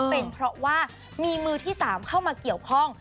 เป็นเพราะว่ามีมือที่๓เข้ามาเกี่ยวข้อง